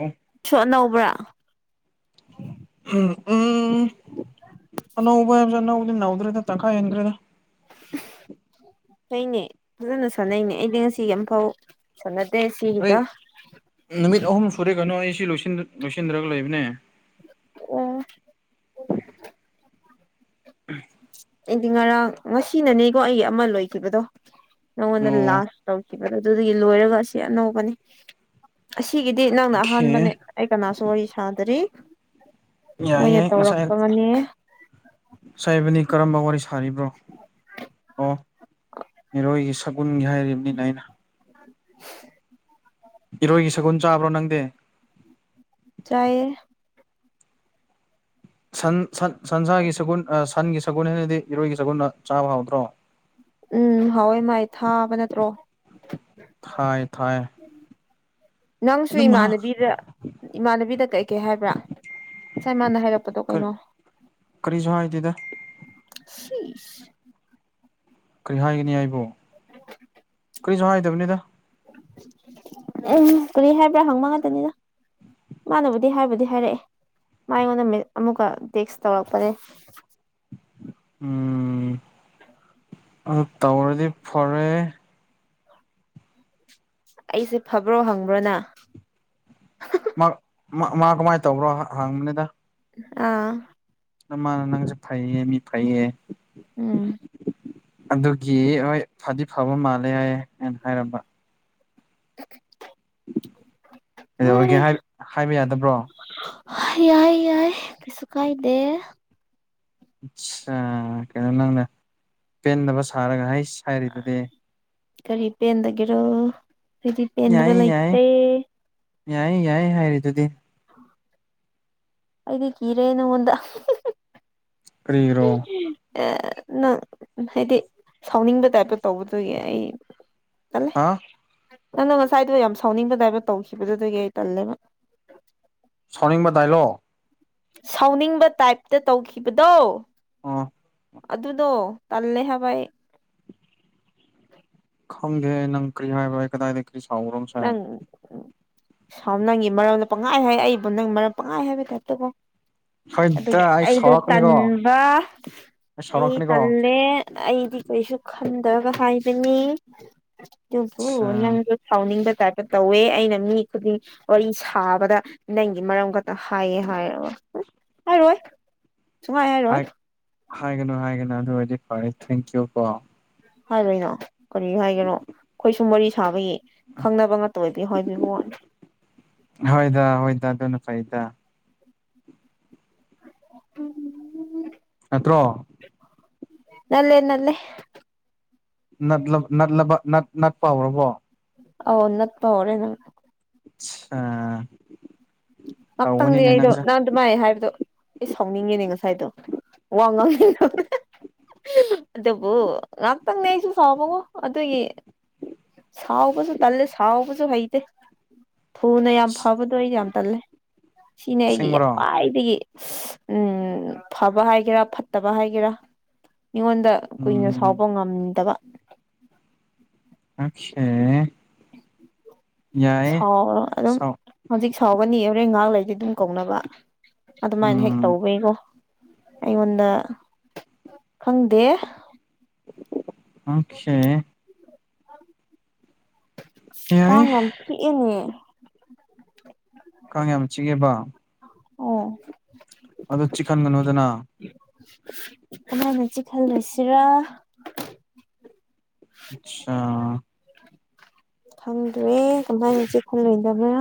ꯑꯣ ꯁꯣ ꯑꯅꯧꯕ꯭ꯔꯥ ꯎꯝ ꯎꯝ ꯑꯅꯧꯕ ꯍꯥꯏꯕꯁꯦ ꯑꯅꯧꯕꯗꯤ ꯅꯧꯗ꯭ꯔꯦꯗ ꯇꯪꯈꯥꯏ ꯍꯦꯟꯗ꯭ꯔꯦꯗ ꯐꯩꯅꯦ ꯐꯖꯅ ꯁꯥꯟꯅꯩꯅꯦ ꯑꯩꯗꯤ ꯉꯁꯤꯒꯤ ꯑꯃꯝꯐꯥꯎ ꯆꯅꯗꯦ ꯑꯩ ꯁꯤꯒꯤꯗ ꯅꯨꯃꯤꯠ ꯑꯍꯨꯝ ꯁꯨꯔꯦ ꯀꯩꯅꯣ ꯑꯩ ꯁꯤ ꯂ‌ꯣꯏꯁꯤꯟꯗ ꯂꯣꯏꯁꯤꯟꯗ꯭ꯔꯒ ꯂꯩꯕꯅꯦ ꯑꯣ [inaudible] ꯑꯩꯗꯤ ꯉꯔꯥꯡ ꯉꯁꯤꯅꯅꯦꯀꯣ ꯑꯩꯒꯤ ꯑꯃ ꯂꯣꯏꯈꯤꯕꯗꯣ ꯅꯪꯉꯣꯟꯗ ꯑꯣ ꯂꯥꯜ ꯇꯧꯈꯤꯕꯗꯣ ꯑꯗꯨꯗꯒꯤ ꯂꯣꯏꯔꯒ ꯑꯁꯤ ꯑꯅꯧꯕꯅꯤ ꯑꯁꯤꯒꯤꯗꯤ ꯅꯪꯅ ꯑꯣꯀꯦ ꯑꯍꯥꯟꯕꯅꯦ ꯑꯩ ꯀꯅꯥꯁꯨ ꯋꯥꯔꯤ ꯁꯥꯗ꯭ꯔꯤ ꯌꯥꯏ ꯃꯣꯏꯅ ꯌꯥꯏ ꯇꯧꯔꯄꯕꯅꯦ ꯁꯥꯥꯏꯕꯅꯤ ꯀꯔꯝꯕ ꯋꯥꯔꯤ ꯁꯥꯔꯤꯕ꯭ꯔꯣ ꯑꯣ ꯏꯔꯣꯏꯒꯤ ꯁꯒꯨꯟꯒꯤ ꯍꯥꯏꯔꯤꯕꯅꯤꯅ‌ꯦ ꯑꯩꯅ [unintelligible] ꯏꯔꯣꯏꯒꯤ ꯁꯒꯨꯟ ꯆꯥꯕ꯭ꯔꯣ ꯅꯪꯗꯤ ꯆꯥꯏ ꯁꯟ ꯁꯟꯁꯥꯒꯤ ꯁꯒꯣꯜ ꯁꯟꯒꯤ ꯁꯒꯣꯜ ꯍꯥꯏꯅꯗꯤ ꯏꯔꯣꯏꯒꯤ ꯁꯒꯣꯜꯅ ꯆꯥꯕ ꯍꯥꯎꯗ꯭ꯔꯣ ꯎꯝ ꯍꯋꯏ ꯃꯥꯥꯏ ꯊꯥꯕ ꯅꯠꯇ꯭ꯔꯣ ꯊꯥꯏ ꯊꯥꯏ ꯅꯪꯁꯨ ꯑꯗꯨꯝ ꯍꯥ ꯏꯃꯥꯟꯅꯕꯤꯗ ꯏꯃꯥꯟꯅꯕꯤꯗ ꯀꯩꯀꯩ ꯍꯥꯏꯕ꯭ꯔꯥ ꯉꯁꯥꯏ ꯃꯥꯅ ꯍꯥꯏꯔꯛꯄꯗꯣ ꯀꯔꯤ ꯀꯩꯅꯣ ꯀꯔꯤꯁꯨ ꯍꯥꯏꯗ‌ꯦꯗ [unintelligible] ꯀꯔꯤ ꯍꯥꯏꯒꯅꯤ ꯑꯩꯕꯣ [inaudible] ꯀꯔꯤꯁꯨ ꯍꯥꯏꯗꯕꯅꯤꯗ ꯎ ꯀꯔꯤ ꯍꯥꯏꯕꯔ ꯍꯪꯕ ꯒꯇꯅꯤꯗ ꯃꯥꯅꯕꯨꯗꯤ ꯍꯥꯏꯕꯨꯗꯤ ꯍꯥꯏꯔꯛꯑꯦ ꯃꯥ ꯑꯩꯉꯣꯟꯗ ꯃ‌ꯦ ꯑꯃꯨꯛꯀ ꯇ‍ꯦꯛꯁ ꯇꯧꯔꯛꯄꯅꯦ ꯎꯝ ꯑ ꯇꯧꯔꯗꯤ ꯐꯔꯦ ꯑꯩꯁꯦ ꯐꯕ꯭ꯔꯣ ꯍꯪꯕ꯭ꯔꯣꯅ ꯃꯥ ꯃꯥ ꯀꯃꯥꯏꯅ ꯇꯧꯕ꯭ꯔꯣ ꯍꯪꯕꯅꯤꯗ ꯑꯥ ꯅ ꯃꯥꯅ ꯅꯪꯁꯦ ꯐꯩꯌꯦ ꯃꯤ ꯐꯩꯌꯦ ꯎꯝ ꯑꯗꯨꯒꯤ ꯍꯣꯏ ꯐꯗꯤ ꯐꯕ ꯃꯥꯜꯂꯦ ꯍꯥꯏꯌꯦ ꯑꯅ ꯍꯥꯏꯔꯝꯕ [inaudible] ꯀꯩꯗꯧꯔꯒꯦ ꯍꯥꯏ ꯍꯣꯏ ꯍꯥꯏꯕ ꯌꯥꯗꯕ꯭ꯔꯣ ꯌꯥꯏ ꯌꯥꯏ ꯀꯩꯁꯨ ꯀꯥꯏꯗꯦ ꯑ ꯀꯩꯅꯣ ꯅꯪꯅ ꯄꯦꯟꯗꯕ ꯁꯥꯔꯒ ꯍꯥꯏ ꯍꯥꯏꯔꯤꯗꯨꯗꯤ ꯀꯔꯤ ꯄꯦꯟꯗꯒꯦꯔꯣ ꯍꯥꯏꯗꯤ ꯄꯦꯟꯗꯕ ꯌꯥꯏ ꯌꯥꯏ ꯂꯩꯇꯦ ꯌꯥꯏ ꯌꯥꯏ ꯍꯥꯏꯔꯤꯗꯨꯗꯤ ꯑꯩꯗꯤ ꯀꯤꯔꯦ ꯅꯉꯗ ꯀꯔꯤꯔꯣ ꯑꯦ ꯅꯪ ꯍꯥꯏꯗꯤ ꯁꯥꯎꯅꯤꯡꯕ ꯇꯥꯏꯞꯇ ꯇꯧꯕꯗꯨꯒꯤ ꯑꯩ ꯇꯜꯂꯦ ꯍꯥ ꯅꯪꯅ ꯉꯁꯥꯏꯗꯣ ꯌꯥꯝ ꯁꯥꯎꯅꯤꯡꯕꯗꯥꯏꯕ ꯇꯧꯈꯤꯕꯗꯨꯗꯒꯤ ꯑꯩ ꯇꯜꯂꯦꯕ ꯁꯥꯎꯅꯤꯡꯕ ꯇꯥꯏꯂꯣ ꯁꯥꯎꯅꯤꯡꯕ ꯇꯥꯏꯞꯇ ꯇꯧꯈꯤꯕꯗꯣ ꯑꯥ ꯑꯗꯨꯗꯣ ꯇꯜꯂꯦ ꯍꯥꯏꯕꯥꯏ ꯍꯪꯦ ꯅꯪ ꯀ꯭ꯔꯤ ꯍꯥꯏꯕ ꯀꯗꯥꯏꯗꯒꯤ ꯁꯥꯎꯝ ꯅꯪ ꯎ ꯁꯥꯎ ꯅꯪꯒꯤ ꯃꯔꯝꯗ ꯄꯪꯉꯥꯏ ꯍꯥꯏ ꯑꯩꯕꯨ ꯅꯪ ꯃꯔꯝ ꯄꯪꯉꯥꯏ ꯍꯥꯏꯕꯗꯠꯇꯕꯣ ꯍꯣꯏꯗ ꯑꯗꯨꯒ ꯑꯩ ꯑꯩꯗꯣ ꯁꯥꯎꯔꯛꯀꯅꯤꯀꯣ ꯇꯟꯕ ꯑꯩ ꯇꯜꯂꯦ ꯑꯩꯗꯤ ꯀꯩꯁꯨ ꯈꯟꯗꯕ ꯍꯥꯏꯕꯅꯤ ꯑꯗꯨꯕꯨ ꯑꯠꯁꯥ ꯅꯪ ꯁꯥꯎꯅꯤꯡꯕ ꯇꯥꯄ ꯇꯧꯋꯦ ꯑꯩꯅ ꯃꯤ ꯈꯨꯗꯤꯡ ꯋꯥꯔꯤ ꯁꯥꯕꯗ ꯅꯪꯒꯤ ꯃꯔꯝ ꯈꯛꯇ ꯍꯥꯏꯌꯦ ꯍꯥꯏ ꯍꯥꯏꯔꯣꯏ ꯁꯨꯡꯃꯥꯏ ꯌꯥꯦꯔꯣ ꯍꯥꯏ ꯍꯥꯏꯒꯅꯨ ꯍꯥꯏꯒꯅꯨ ꯑꯗꯨꯔꯗꯤ ꯐꯔꯦ ꯊꯦꯡꯀ꯭ꯌꯨ ꯀꯣ ꯍꯥꯏꯔꯣꯏꯅꯣ ꯀꯔꯤ ꯍꯥꯏꯒꯅꯣ ꯑꯩꯈꯣꯏꯁꯨ ꯃꯔꯤ ꯁꯥꯕꯒꯤ ꯈꯪꯅꯕ ꯉꯥꯛꯇ ꯑꯣꯏꯕꯤ ꯍꯥꯏꯕꯤꯕ ꯋꯥꯅꯦ ꯍꯣꯏꯗ ꯍꯣꯏꯗ ꯑꯗꯨꯅ ꯐꯩꯗ ꯅꯠꯇ꯭ꯔꯣ ꯅꯂꯦ ꯅꯂꯦ ꯅꯂꯕ ꯅꯠꯄ ꯍꯧꯔꯕꯣ ꯑ ꯅꯠ ꯐꯥꯎꯔꯦ ꯅꯪ ꯑꯠꯁ ꯃꯄꯪꯗꯤ ꯑꯩꯗꯨ ꯅꯥꯟ ꯑꯗꯨꯃꯥꯏ ꯍꯥꯏꯕꯗꯣ ꯑꯩ ꯁꯥꯎꯅꯤꯡꯉꯦꯅꯦ ꯉꯁꯥꯏꯗꯣ ꯋꯥ ꯉꯥꯡꯉ ꯑꯗꯨꯕꯨ ꯉꯥꯛꯇꯪꯅꯦ ꯑꯩꯁꯨ ꯁꯥꯥꯎꯕꯉꯣ ꯑꯗꯨꯒꯤ ꯁꯥꯎꯕꯁꯨ ꯇꯜꯂꯦ ꯁꯥꯎꯕꯁꯨ ꯍꯩꯇꯦ ꯊꯨꯅ ꯌꯥꯝ ꯐꯕꯗꯣ ꯑꯩ ꯌꯥꯝ ꯇꯜꯂꯦ ꯁꯤꯅꯦ ꯑꯩꯒꯤ ꯑꯁꯦꯡꯕꯔꯣ ꯈ꯭ꯋꯥꯏꯗꯒꯤ ꯎꯝ ꯐꯕ ꯍꯥꯏꯒꯦꯔꯥ ꯐꯠꯇꯕ ꯍꯥꯏꯒꯦꯔꯥ ꯃꯤꯉꯣꯟꯗ ꯀꯨꯏꯅ ꯁꯥꯎꯕ ꯎꯝ ꯉꯝꯗꯕ ꯑꯁꯦ ꯁ ꯑꯗꯨꯝ ꯁꯥꯎ ꯍꯧꯖꯤꯛ ꯁꯥꯎꯒꯅꯤ ꯍꯣꯔꯦꯟ ꯉꯥꯏꯍꯥꯛ ꯂꯩꯗꯤ ꯑꯗꯨꯝ ꯀꯧꯅꯕ ꯑꯗꯨꯃꯥꯏꯅ ꯍꯦꯛ ꯎꯝ ꯇꯧꯕꯩꯀꯣ ꯑꯩꯉꯣꯟꯗ ꯈꯪꯗꯦ ꯑꯣꯀꯦ ꯀ ꯌꯥꯏ ꯉꯝ ꯀꯅꯤ ꯀꯥꯡ ꯌꯥꯝ ꯆꯤꯛꯉꯦꯕ ꯑꯣ ꯑꯗ ꯆꯤꯡꯟꯒꯅꯣꯗꯅ ꯑꯗꯨꯃꯥꯏꯅꯁꯤ ꯈꯜꯂꯨꯁꯤꯔꯥ ꯑꯠꯆꯥ [inaudible] [inaudible] ꯈꯪꯗ꯭ꯔꯦ ꯀꯃꯥꯏꯅ ꯏꯆꯦꯛ ꯈꯨꯜꯂꯣꯏꯗꯕ꯭ꯔꯣꯏꯅ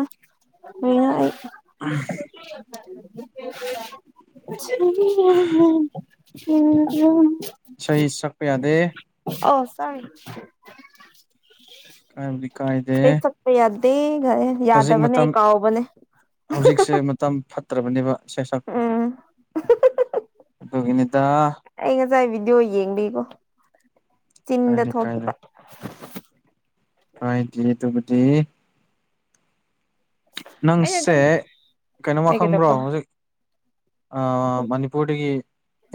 ꯑꯩ ꯎ [inaudible] ꯑꯟꯏꯟꯇꯦꯂꯤꯖꯦꯕꯜ unintelligible ꯁꯍꯤ ꯁꯛꯄ ꯌꯥꯗꯦ ꯑꯣ ꯇꯔꯦ ꯀꯥꯏꯂꯤ ꯀꯗꯦ ꯀ ꯌꯥꯗꯦ ꯈꯔꯦ ꯌꯥꯗꯕꯅꯦ ꯀꯥꯎꯕꯅꯦ ꯍꯧꯖꯤꯛꯁꯦ ꯃꯇꯝ ꯐꯠꯇ꯭ꯔꯕꯅꯦꯕ ꯁ ꯁꯛꯄꯒꯤ ꯎꯝ [inaudible] ꯑꯗꯨ ꯏꯅꯤꯗ ꯑꯩ ꯉꯁꯥꯏ ꯚꯤꯗꯤꯑꯣ ꯌꯦꯡꯕꯤꯀꯣ ꯆꯤꯟꯗ ꯀꯥꯏꯗꯦ ꯊꯣꯛꯈꯤꯕ ꯀꯥꯏꯗꯤꯦ ꯇꯕꯨꯗꯤ ꯑꯩꯅ ꯅꯪꯁꯦ ꯑꯗꯨꯝ ꯀꯩꯅꯣꯝꯃ ꯑꯩ ꯈꯪꯕ꯭ꯔꯣ ꯀꯩꯗꯧꯕ ꯍꯧꯖꯤꯛ ꯃꯅꯤꯄꯨꯔꯗꯒꯤ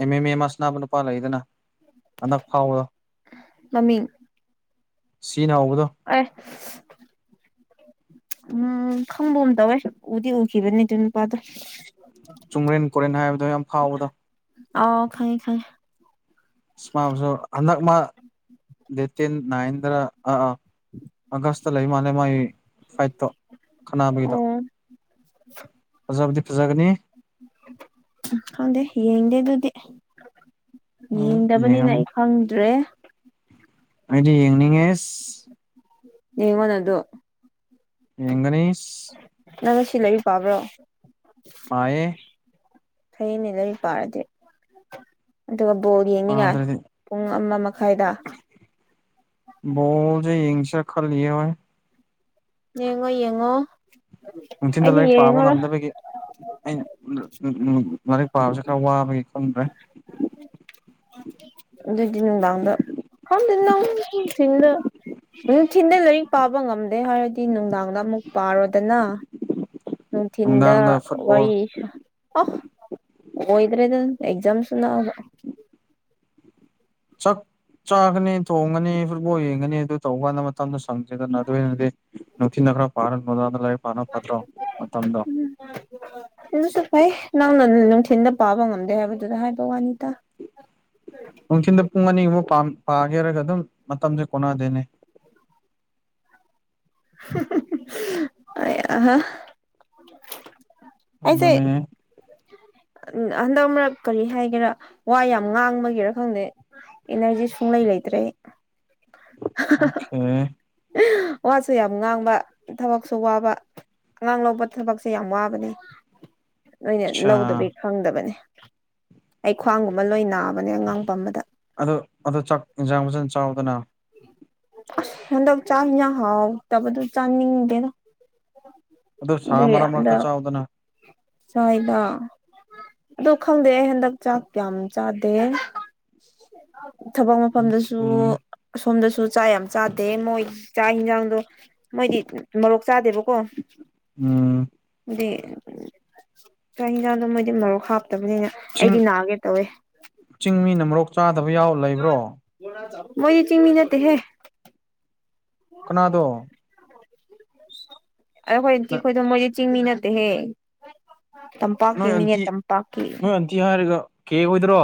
ꯑꯦꯝ ꯑꯦꯝ ꯑꯦ ꯑꯁꯅꯥꯕ ꯅꯨꯄꯥ ꯂꯩꯗꯅ ꯍꯗꯛ ꯐꯥꯎꯗꯣ ꯃꯃꯤ ꯁꯤꯅ ꯍꯧꯕꯗꯣ ꯑꯁ ꯎꯝ ꯈꯪꯕ ꯑꯃ ꯇꯧꯋꯦ ꯎꯗꯤ ꯎꯈꯤꯕꯅꯤ ꯑꯗꯨ ꯅꯨꯄꯥꯗꯣ ꯆꯨꯝꯔꯦꯟ ꯀꯣꯔꯦꯟ ꯍꯥꯏꯕꯗꯣ ꯌꯥꯝ ꯐꯥꯎꯕꯗ ꯑꯣ ꯈꯥꯏꯉ ꯈꯥꯏꯉ ꯏꯁꯃꯁꯨ ꯍꯟꯗꯛ ꯃꯥ ꯅꯦꯇ ꯅꯌꯦꯗ꯭ꯔ ꯑ ꯑꯒꯁ ꯂꯩ ꯃꯥ ꯂꯩꯃ ꯐꯥꯏꯠꯇꯣ ꯈꯠꯅꯥꯅꯕꯒꯤꯗꯣ ꯑꯣ [inaudible] ꯑꯣꯖꯥꯕꯗꯤ ꯐꯖꯛꯒꯅꯤ ꯈꯪꯗꯦ ꯌꯦꯡꯗꯦ ꯑꯗꯨꯗꯤ ꯎꯝ ꯌꯦꯡꯗꯕꯅꯤꯅ ꯌꯦꯡꯉꯝꯅꯤ ꯑꯩ ꯍꯪꯗ꯭ꯔꯦ ꯑꯩꯗꯤ ꯌꯦꯡꯅꯤꯡꯉꯦ ꯅꯉꯣꯟ ꯅ ꯑꯗꯨ ꯌꯦꯡꯒꯅꯦꯁ ꯅꯪ ꯁꯤ ꯂꯩꯔꯤꯛ ꯄꯥꯕ꯭ꯔꯣ ꯄꯌꯦ ꯐꯌꯦꯅꯦ ꯂꯩꯔꯤ ꯄꯥꯔꯗꯤ ꯑꯗꯨꯒ ꯕꯣꯔ ꯌꯦꯡꯅꯤꯡꯉꯥꯏ ꯄꯥꯗ꯭ꯔꯗꯤ ꯄꯨꯡ ꯑꯃ ꯃꯈꯥꯏꯗ ꯕꯣꯜꯁꯦ ꯌꯦꯁꯤꯔ ꯈꯜꯂꯤ ꯌꯦꯡꯉꯣ ꯌꯦꯡꯉꯣ ꯅꯨꯡꯊꯤꯟꯗ ꯑꯩꯗꯤ ꯂꯥꯏꯔꯤꯛ ꯄꯥꯕ ꯌꯦꯡꯉꯔꯣꯏ ꯉꯝꯗꯕꯒꯤ ꯑꯩꯅ ꯂꯥꯏꯔꯤꯛ ꯄꯥꯕꯁꯤ ꯈꯔ ꯋꯥꯕꯒꯤ ꯈꯪꯗ꯭ꯔꯦ ꯎꯝ ꯑꯗꯨꯏꯗꯤꯟ ꯂꯥꯡꯗ ꯐꯝꯗꯟꯗꯨꯝ ꯊꯤꯡꯗ ꯅꯨꯡꯊꯤꯟꯜꯗ ꯂꯥꯏꯔꯤꯛ ꯄꯥꯕ ꯉꯝꯗꯦ ꯍꯥꯏꯔꯗꯤ ꯅꯨꯡꯗꯥꯡꯗ ꯑꯃꯨꯛ ꯄꯥꯔꯣꯗꯅ ꯅꯨꯡꯊꯤꯟꯗ ꯅꯨꯡꯗꯥꯡꯗ ꯐꯨꯠꯕꯣꯜ ꯋꯥꯔꯤ ꯑ ꯍꯣꯏꯗ꯭ꯔꯦ ꯑꯗꯨ ꯑꯦꯛꯖꯝꯁ ꯅ ꯆꯥꯛ ꯆꯥꯒꯅꯤ ꯊꯣꯡꯒꯅꯤ ꯐꯨꯠꯕꯣꯜ ꯌꯦꯡꯒꯅꯤ ꯑꯗꯨ ꯇꯧꯕ ꯀꯥꯟꯗ ꯃꯇꯝꯗꯨ ꯁꯪꯁꯦꯗꯅ ꯑꯗꯨ ꯑꯣꯏꯅꯗꯤ ꯅꯨꯡꯊꯤꯅ ꯈ꯭ꯔ ꯄꯥꯔ ꯗꯥꯗ ꯂꯥꯏꯔꯤꯛ ꯄꯥꯅ ꯐꯠꯇ꯭ꯔꯣ ꯃꯇꯝꯗ ꯑꯗꯨꯇ ꯐꯩ ꯅꯪꯅ ꯅꯨꯡꯊꯤꯜꯗ ꯄꯥꯕ ꯉꯝꯗꯦ ꯍꯥꯏꯕꯗꯨꯗ ꯍꯥꯏꯕ ꯋꯥꯅꯤ ꯇ ꯅꯨꯡꯊꯤꯟꯗ ꯄꯨꯡ ꯑꯅꯤꯒꯨꯝꯕ ꯄꯥꯒꯦꯔꯒ ꯑꯗꯨꯝ ꯃꯇꯝꯁꯦ ꯀꯣꯟꯅꯗꯦꯅꯦ ꯑ ꯑꯍꯥ ꯑꯩꯁꯦ ꯑꯗꯨꯅꯦ [inaudible] ꯎ ꯍꯟꯗꯛ ꯃꯔꯛ ꯀꯔꯤ ꯍꯥꯏꯒꯦꯔꯥ ꯋꯥ ꯌꯥꯝ ꯉꯥꯡꯕꯒꯦꯔꯥ ꯈꯪꯗꯦ ꯏꯂꯖꯤꯁ ꯐꯨꯡꯅ ꯏ ꯂꯩꯗ꯭ꯔꯦ ꯑꯣ ꯋꯥꯁꯨ ꯌꯥꯝ ꯉꯥꯡꯕ ꯊꯕꯛꯁꯨ ꯋꯥꯕ ꯑꯉꯥꯡ ꯂꯧꯕ ꯊꯕꯛꯁꯦ ꯌꯥꯝ ꯋꯥꯕꯅꯦ ꯂꯣꯏꯅ ꯑꯠꯆꯥ ꯂꯧꯗꯕ ꯈꯪꯗꯕꯅꯦ ꯑꯩ ꯈ꯭ꯋꯥꯡꯒꯨꯝꯕ ꯂꯣꯏ ꯅꯥꯕꯅꯦ ꯑꯉꯥꯡ ꯄꯝꯕꯗ ꯑ ꯑꯗꯨ ꯆꯥꯛ ꯌꯦꯟꯖꯥꯡ ꯐꯖꯅ ꯆꯥꯎꯗꯅ ꯑꯁ ꯍꯟꯗꯛ ꯆꯥꯛ ꯍꯤꯟꯖꯥꯡ ꯍꯥꯎ ꯇꯕꯗꯨ ꯆꯥꯅꯤꯡꯗꯦꯗ ꯑꯗꯣ ꯁꯥ ꯃꯔꯛ ꯃꯔꯛꯇ ꯑꯗꯨꯗ ꯆꯥꯎꯗꯅ ꯆꯗ ꯑꯗꯨ ꯈꯪꯗꯦ ꯑꯩ ꯍꯟꯗꯛ ꯆꯥꯛ ꯀꯌꯥꯝ ꯆꯥꯗꯦ ꯊꯕꯛ ꯑꯣꯀꯦ ꯃꯐꯝꯗꯁꯨ ꯑꯁꯣꯝꯗꯁꯨ ꯆꯥꯛ ꯌꯥꯝ ꯆꯥꯗꯦ ꯃꯣꯏ ꯆꯥꯛ ꯌꯦꯟꯖꯥꯡꯗꯣ ꯃꯣꯏꯗꯤ ꯃꯔꯣꯔꯣꯛ ꯆꯥꯗꯦꯕꯀꯣ ꯎꯝ ꯑꯗꯨꯗꯤ ꯆꯥꯛ ꯍꯟꯁꯥꯡꯗꯣ ꯃꯣꯏꯗꯤ ꯃꯔꯣꯛ ꯍꯥꯞꯇꯕꯅꯤꯅ ꯆꯤꯡ ꯑꯩꯗꯤ ꯅꯥꯒꯦ ꯇꯧꯋꯦ ꯆꯤꯡ ꯃꯤꯅ ꯃꯣꯔꯣꯛ ꯆꯥꯗꯕ ꯌꯥꯎ ꯂꯩꯕ꯭ꯔꯣ ꯃꯣꯏꯗꯤ ꯆꯤꯡꯃꯤ ꯅꯠꯇꯦ ꯍꯦ ꯀꯅꯥꯗꯣ ꯑꯈꯣꯏ ꯑꯩꯈꯣꯏꯗ ꯃꯣꯏꯦ ꯆꯤꯡꯃꯤ ꯅꯠꯇꯦ ꯍꯦ ꯅꯣꯏ ꯑꯟꯇꯤ ꯅꯣꯏ ꯑꯟꯇꯤ ꯍꯥꯏꯔꯒ ꯀꯦ ꯑꯣꯏꯗ꯭ꯔꯣ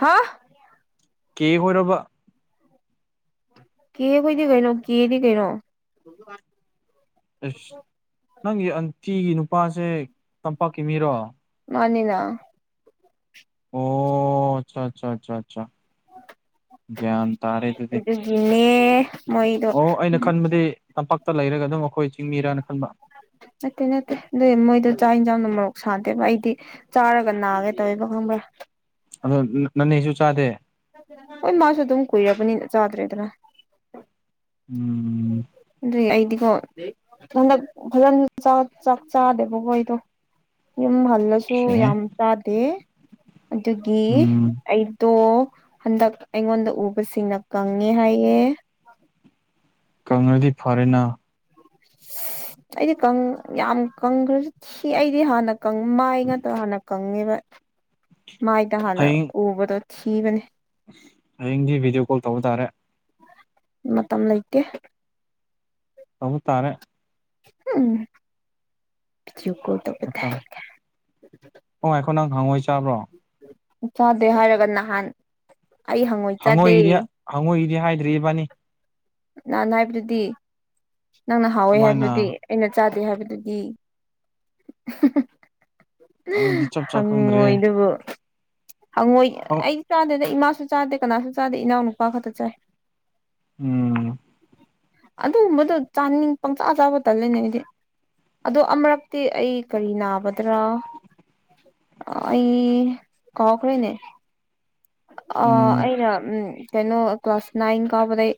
ꯍꯥꯥ ꯀꯦ ꯑꯣꯏꯔꯕ ꯀ ꯀꯣꯏꯗꯤ ꯀꯩꯅꯣ ꯀꯗꯤ ꯀꯩꯅꯩꯅꯣ ꯍ [inaudible] ꯑꯁ ꯅꯪꯒꯤ ꯑꯟꯇꯤꯒꯤ ꯅꯨꯄꯥꯁꯦ ꯇꯝꯄꯥꯛꯀꯤ ꯃꯤꯔꯣ ꯃꯥꯅꯤꯅ ꯑꯣ ꯑꯆꯥ ꯑꯆꯥ ꯑꯆꯥ ꯑꯆꯥ ꯭ꯟ ꯇꯥꯔꯦ ꯑꯗꯨꯤꯗꯤ ꯃꯤ ꯑꯣ ꯑꯩꯅ ꯈꯟꯕꯗꯤ ꯇꯝꯄꯥꯛꯇ ꯂꯩꯔꯒ ꯑꯗꯨꯝ ꯑꯩꯈꯣꯏ ꯆꯤꯡꯃꯤꯔꯅ ꯈꯟꯕ ꯅꯠꯇꯦ ꯅꯠꯇꯦ ꯑꯗꯨ ꯃꯣꯏꯗꯣ ꯆꯥꯛ ꯌꯦꯟꯁꯥꯡꯅ ꯃꯔꯣꯛ ꯁꯥꯟꯗꯦꯕ ꯑꯩꯗꯤ ꯆꯥꯔꯒꯔꯅꯑ ꯇ ꯑꯣ ꯅꯅꯦꯁꯨ ꯆꯥꯗꯦ ꯍꯣꯏ ꯃꯥꯁꯨ ꯑꯗꯨꯝ ꯀꯏꯕꯕꯨ ꯆꯥꯗ꯭ꯔꯦꯗꯅ ꯎꯝ ꯑꯗꯨꯏ ꯑꯩꯗꯤꯀꯣ ꯍꯟꯗꯛ ꯐꯖꯅ ꯆꯥꯛ ꯆꯥꯗꯦꯕꯀꯣ ꯑꯩꯗꯣ ꯌꯨꯝ ꯍꯜꯂꯁꯨ ꯈꯦ ꯌꯥꯝ ꯆꯥꯗꯦ ꯑꯗꯨꯒꯤ ꯎꯝ ꯑꯩꯗꯣ ꯍꯟꯗꯛ ꯑꯩꯉꯣꯟꯗ ꯎꯕꯁꯤꯡꯅ ꯀꯪꯉꯦ ꯍꯥꯏꯌꯦ ꯀꯪꯂꯗꯤ ꯐꯔꯦꯅ [inaudible] ꯑꯩꯗꯤ ꯀꯪ ꯌꯥꯝꯝ ꯀꯪ ꯁꯤ ꯑꯩꯗꯤ ꯍꯥꯟꯅ ꯃꯥꯏ ꯉꯥꯛꯇ꯭ꯔ ꯍꯥꯟꯅ ꯀꯪꯉꯦꯕ ꯃꯥꯏ ꯅꯍꯟꯅ ꯍꯌꯦꯡ ꯎꯕꯗꯣ ꯊꯤꯕꯅꯦ ꯍꯌꯦꯡꯗꯤ ꯚꯗꯤꯑꯣ ꯀꯣꯜ ꯇꯧꯕ ꯇꯥꯔꯦ ꯃꯇꯝ ꯂꯩꯇꯦ ꯇ ꯇꯥꯔꯦ ꯎꯝ ꯇꯧꯕꯗ ꯃꯇꯝ ꯉ- ꯉꯥꯏꯈꯣ ꯅꯪ ꯍꯪꯉꯣꯏ ꯆꯥꯕ꯭ꯔꯣ ꯆꯥꯎꯗꯦ ꯍꯥꯏꯔꯒ ꯅꯍꯥꯟ ꯑꯩ ꯍꯪꯉꯣꯏ ꯆꯥꯗꯦ ꯍꯪꯉꯣꯏꯒꯤꯗꯤ ꯍꯪꯉꯣꯏꯒꯤꯗꯤ ꯍꯥꯏꯗ꯭ꯔꯤ ꯏꯕꯥꯅꯤ ꯅꯍꯥꯟ ꯍꯥꯏꯕꯗꯨꯗꯤ ꯅꯪꯅ ꯍꯥꯎꯋꯦ ꯀꯃꯥꯏꯅ ꯍꯥꯏꯕꯗꯨꯗꯤ ꯑꯩꯅ ꯆꯥꯗꯦ ꯍꯥꯏꯕꯗꯨꯗꯤ ꯑꯍꯍ ꯑꯗꯨꯗꯤ ꯆꯞ ꯆꯥ ꯈꯪꯗ꯭ꯔꯦ ꯍꯪꯉꯣꯏꯗꯨꯕꯨ ꯍꯪꯉꯣꯏ ꯑꯣ ꯑꯩꯗꯤ ꯆꯥꯗꯦꯗ ꯏꯃꯥꯁꯨ ꯆꯥꯗꯦ ꯀꯅꯥꯁꯨ ꯆꯥꯗꯦ ꯏꯅꯥꯎꯅꯨꯄꯥ ꯈꯛꯇ ꯆꯥꯏ ꯎꯝ ꯑꯗꯨꯒꯨꯝꯕꯗꯣ ꯆꯥꯅꯤꯡ ꯄꯪꯆꯥ ꯆꯥꯕ ꯇꯜꯂꯦꯅꯦꯗꯤ ꯑꯗꯣ ꯑꯃꯨꯔꯛꯇꯤ ꯑꯩ ꯀꯔꯤ ꯅꯥꯕꯗ꯭ꯔꯥ ꯑ ꯑꯩ ꯀꯥꯎꯈ꯭ꯔꯦꯅꯦ ꯑ ꯎꯝ ꯑꯩꯅ ꯎꯝ ꯀꯩꯅꯣ ꯀ꯭ꯂꯥꯁ ꯅꯥꯏꯟ ꯀꯥꯕꯗꯩ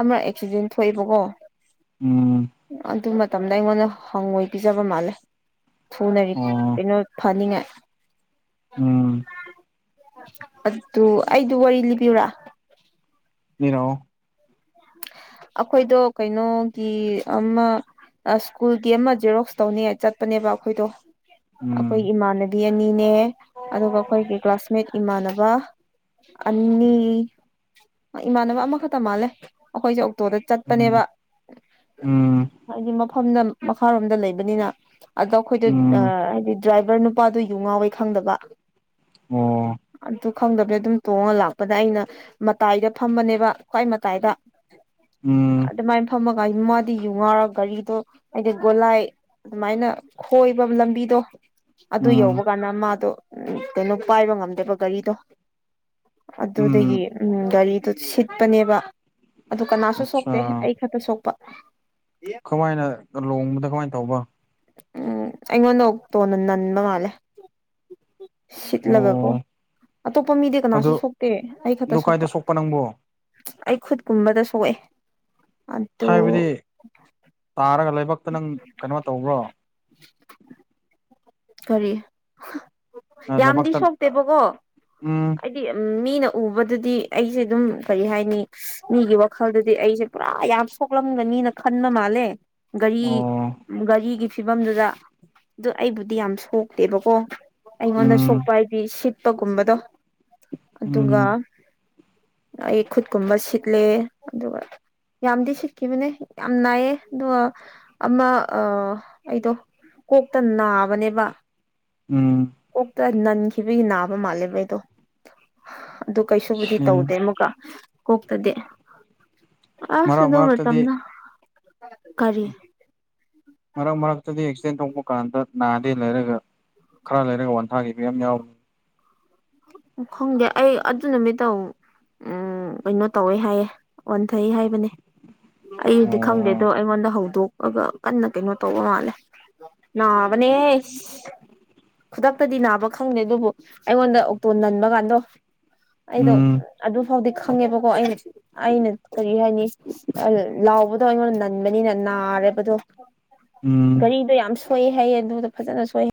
ꯑꯃꯔꯛ ꯑꯦꯛꯁꯤꯗꯦꯟ ꯊꯣꯛꯑꯦꯕꯀꯣ ꯎꯝ ꯑꯗꯨ ꯃꯇꯝꯗ ꯑꯩꯉꯣꯟꯗ ꯍꯪꯉꯣꯏ ꯄꯤꯖꯕ ꯃꯥꯜꯂꯦ ꯑꯣ ꯊꯨꯅꯕꯤꯅꯣ ꯐꯅꯤꯡꯉ ꯎꯝ ꯑꯗꯨ ꯑꯩꯗꯨ ꯋꯥꯔꯤ ꯂꯤꯕꯤꯋꯨꯔꯥ ꯏꯔꯣ ꯑꯩꯈꯣꯏꯗꯣ ꯀꯩꯅꯣꯒꯤ ꯑꯃ ꯑ ꯁ꯭ꯀꯨꯜꯒꯤ ꯑꯃ ꯖꯦꯔꯣꯛꯁ ꯇꯧꯅꯤ ꯆꯠꯄꯅꯦꯕ ꯑꯩꯈꯣꯏꯗꯣ ꯑꯩꯈꯣꯏ ꯎꯝ ꯏꯃꯥꯟꯅꯕꯤ ꯑꯅꯤꯅꯦ ꯑꯗꯨꯒ ꯑꯩꯈꯣꯏꯒꯤ ꯀ꯭ꯂꯥꯁꯃꯦꯠ ꯏꯃꯥꯟꯅꯕ ꯑꯅꯤ ꯏꯃꯥꯟꯅꯕ ꯑꯃꯈꯛꯇ ꯃꯥꯜꯂꯦ ꯑꯩꯈꯣꯏꯁꯦ ꯑꯣꯛꯇꯣꯗ ꯆꯠꯄꯅꯦꯕ ꯎꯝ ꯎꯝ ꯍꯥꯏꯗꯤ ꯃꯐꯝꯗ ꯃꯈꯥꯔꯣꯝꯗ ꯂꯩꯕꯅꯤꯅ ꯑꯗꯣ ꯑꯩꯈꯣꯏꯗꯣ ꯎꯝ ꯑ-ꯍꯥꯏꯗꯤ ꯗ꯭ꯔꯥꯏꯚꯔ ꯅꯨꯄꯥꯗꯣ ꯌꯨ ꯉꯥꯎꯋꯦ ꯈꯪꯗꯕ ꯑꯣ ꯑꯗꯨ ꯈꯪꯗꯕꯅꯦ ꯑꯗꯨꯝ ꯇꯣꯡꯉ ꯂꯥꯛꯄꯗ ꯑꯩꯅ ꯃꯇꯥꯏꯗ ꯐꯝꯕꯅꯦꯕ ꯈ꯭ꯋꯥꯏ ꯃꯇꯥꯏꯗ ꯎꯝ ꯑꯗꯨꯃꯥꯏꯅ ꯐꯝꯃꯒ ꯃꯥꯗꯤ ꯌꯨ ꯉꯥꯎꯔꯒ ꯒꯥꯔꯤꯗꯣ ꯍꯥꯏꯗꯤ ꯒꯣꯂꯥꯏ ꯑꯗꯨꯃꯥꯏꯅ ꯈꯣꯏꯕ ꯂꯝꯕꯤꯗꯣ ꯑꯗꯨ ꯎꯝ ꯌꯧꯕ ꯀꯥꯟꯗ ꯃꯥꯗꯣ ꯎ ꯀꯩꯅꯣ ꯄꯥꯏꯕ ꯉꯝꯗꯦꯕ ꯒꯥꯔꯤꯗꯣ ꯑꯗꯨꯗꯒꯤ ꯎꯝ ꯒꯥꯔꯤꯗꯨ ꯁꯤꯠꯄꯅꯦꯕ ꯑꯗꯨ ꯀꯅꯥꯁꯨ ꯁꯣꯛꯇꯦ ꯑꯆꯥ ꯑꯩ ꯈꯛꯇ ꯁꯣꯛꯄ ꯀꯃꯥꯏꯅ ꯂꯣꯡꯕꯗ ꯀꯃꯥꯏꯅ ꯇꯧꯕ ꯎꯝ ꯑꯩꯉꯣꯟꯗ ꯑꯣꯇꯣꯅ ꯅꯟꯕ ꯃꯥꯜꯂꯦ ꯁꯤꯠꯂꯒꯀꯣ ꯑꯣ ꯑꯇꯣꯞꯄ ꯃꯤꯗꯤ ꯀꯅꯥꯁꯨ ꯑꯗꯨ ꯁꯣꯛꯇꯦ ꯑꯩ ꯈꯛꯇ ꯑꯗꯨ ꯀꯥꯏꯗ ꯁꯣꯛꯄ ꯅꯪꯕꯨ ꯑꯩ ꯈꯨꯠꯀꯨꯝꯕꯗ ꯁꯣꯛꯑꯦ ꯑꯟ ꯍꯥꯏꯕꯗꯤ ꯇꯥꯔꯒ ꯂꯥꯏꯕꯛꯇ ꯅꯪ ꯀꯩꯅꯣ ꯇꯧꯕ꯭ꯔꯣ ꯀꯔꯤ ꯑ ꯌꯥꯝꯗꯤ ꯂꯩꯕꯥꯛꯇ ꯁꯣꯛꯇꯦꯕꯀꯣ ꯑ-ꯎꯝ ꯍꯥꯏꯗꯤ ꯃꯤꯅ ꯎꯕꯗꯗꯤ ꯑꯩꯁꯦ ꯑꯗꯨꯝ ꯀꯔꯤ ꯍꯥꯏꯅꯤ ꯃꯤꯒꯤ ꯋꯥꯈꯜꯗꯗꯤ ꯑꯩꯁꯦ ꯄꯨꯔꯥ ꯌꯥꯝ ꯁꯣꯛꯂꯝꯒꯅꯤꯅ ꯈꯟꯕ ꯃꯥꯜꯂꯦ ꯒꯥꯔꯤ ꯑꯣ ꯒꯥꯔꯤꯒꯤ ꯐꯤꯕꯝꯗꯨꯗ ꯑꯗꯨ ꯑꯩꯕꯨꯗꯤ ꯌꯥꯝ ꯁꯣꯛꯇꯦꯕꯀꯣ ꯑꯩꯉꯣꯟꯗ ꯎꯝ ꯁꯣꯛꯄ ꯍꯥꯏꯗꯤ ꯁꯤꯠꯄꯒꯨꯝꯕꯗꯣ ꯑꯗꯨꯒ ꯎꯝ ꯑꯩ ꯈꯨꯠꯀꯨꯝꯕ ꯁꯤꯠꯂꯦ ꯑꯗꯨꯒ ꯌꯥꯝꯗꯤ ꯁꯤꯠꯈꯤꯕꯅꯦ ꯌꯥꯝ ꯅꯥꯏꯌꯦ ꯑꯗꯨꯒ ꯑꯃ ꯑꯩꯗꯣ ꯀꯣꯛꯇ ꯅꯥꯕꯅꯦꯕ ꯎꯝ ꯑꯣꯛꯇ ꯅꯟꯈꯤꯕꯒꯤ ꯅꯥꯕ ꯃꯥꯜꯂꯦꯕꯩꯗꯣ ꯑꯗꯨ ꯀꯩꯁꯨꯕꯨꯗꯤ ꯁꯤ ꯇꯧꯗꯦ ꯑꯃꯨꯛꯀ ꯀꯣꯛꯇꯗꯤ ꯑꯁ ꯃꯔꯛ ꯑꯗꯨ ꯃꯔꯛꯇꯗꯤ ꯃꯇꯝꯗꯣ ꯀꯔꯤ ꯃꯔꯛ ꯃꯔꯛꯇꯗꯤ ꯑꯦꯛꯁꯤꯗꯦꯟ ꯊꯣꯛꯄ ꯀꯥꯟꯗ ꯅꯥꯗꯦ ꯂꯩꯔꯒ ꯈꯔ ꯂꯩꯔꯒ ꯋꯥꯟꯊꯥꯈꯤꯕ ꯌꯥꯝ ꯌꯥꯎꯕ ꯎ ꯈꯪꯗꯦ ꯑꯩ ꯑꯗꯨ ꯅꯨꯃꯤꯠꯇꯧ ꯎꯝ ꯀꯩꯅꯣ ꯇꯧꯋꯦ ꯍꯥꯏꯌꯦ ꯑꯣꯟꯊꯩ ꯌꯦ ꯍꯥꯏꯕꯅꯦ ꯑꯩꯗꯤ ꯑꯣ ꯈꯪꯗꯦ ꯑꯗꯣ ꯑꯩꯉꯣꯟꯗ ꯍꯧꯗꯣꯛꯑꯒ ꯀꯟꯅ ꯀꯩꯅꯣ ꯇꯧꯕ ꯃꯥꯜꯂꯦ ꯅꯥꯕꯅꯦ ꯈꯨꯗꯛꯇꯗꯤ ꯅꯥꯕ ꯈꯪꯗꯦ ꯑꯗꯨꯕꯨ ꯑꯩꯉꯣꯟꯗ ꯑꯣꯛꯇꯣ ꯅꯟꯕ ꯀꯥꯟꯗꯣ ꯑꯩꯗꯣ ꯎꯝ ꯑꯗꯨ ꯐꯥꯎꯗꯤ ꯈꯪꯉꯦꯕꯀꯣ ꯑꯩꯅ-ꯑꯩꯅ ꯀꯔꯤ ꯍꯥꯏꯅꯤ ꯂꯥꯎꯕꯗꯣ ꯑꯩꯉꯣꯟꯗ ꯅꯟꯕꯅꯤꯅ ꯅꯥꯔꯦꯕꯗꯣ ꯎꯝ ꯒꯥꯔꯤꯗꯣ ꯌꯥꯝ ꯁꯣꯛꯏ ꯍꯥꯏꯌꯦ ꯑꯗꯨꯗ ꯐꯖꯅ ꯁꯣꯛꯏ